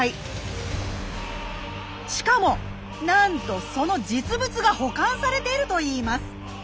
しかもなんとその実物が保管されているといいます。